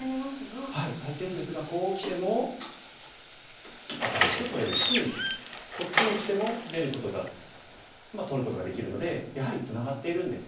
空いてるんですがこうきてもアタリして取れるしこっちにきても出ることがまあ取ることができるのでやはりツナがっているんですね。